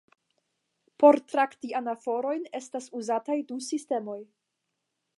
Por trakti anaforojn estas uzataj du sistemoj.